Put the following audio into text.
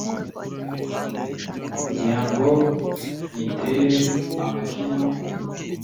Ngira ngo nyitere amacumu